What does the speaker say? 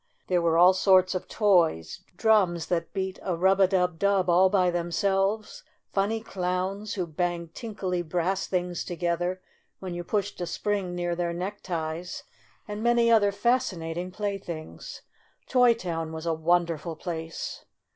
There were all sorts of toys, drums that beat a rub a I 2 STORY OF A SAWDUST DOLL dub dub all by themselves, funny clowns who banged tinkly brass things together when you pushed a spring near their neck ties, and many other fascinating play things. Toy Town was a wonderful place